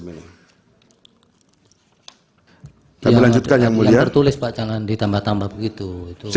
hai dan melanjutkan yang mulia tertulis pak jangan ditambah tambah gitu to their